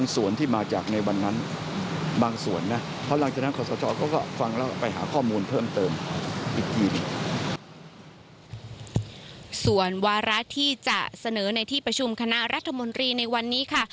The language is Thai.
ส่วนวาระที่จะเสนอในที่ประชุมคณะรัฐมนตรีในวันนี้ค่ะ